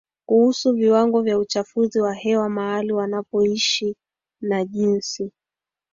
kuhusu viwango vya uchafuzi wa hewa mahali wanapoishi na jinsi